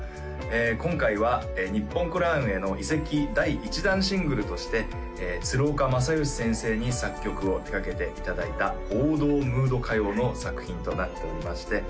今回は日本クラウンへの移籍第１弾シングルとして鶴岡雅義先生に作曲を手がけていただいた王道ムード歌謡の作品となっておりまして